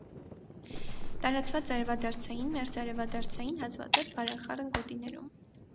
Տարածված արևադարձային, մերձարևադարձային, հազվադեպ՝ բարեխառն գոտիներում։